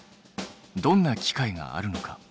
どんな機械があるのか？